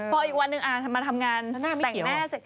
พออีกวันนึงมาทำงานแตกหน้าไส่